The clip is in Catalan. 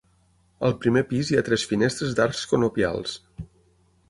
Al primer pis hi ha tres finestres d'arcs conopials.